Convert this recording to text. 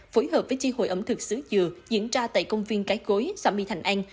phối hợp với chi hội ẩm thực sứ dừa diễn ra tại công viên cái cối xã my thành an